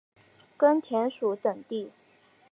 根田鼠等地。